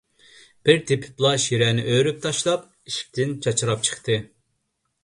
بىر تېپىپلا شىرەنى ئۆرۈپ تاشلاپ، ئىشىكتىن چاچراپ چىقتى.